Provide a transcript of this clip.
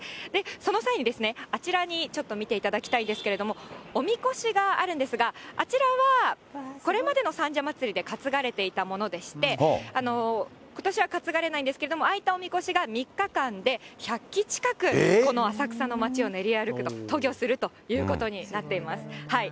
その際に、あちらにちょっと見ていただきたいんですけれども、おみこしがあるんですが、あちらは、これまでの三社祭で担がれていたものでして、ことしは担がれないんですけども、ああいったおみこしが３日間で１００基近く、この浅草の街を練り歩くと、するということになっています。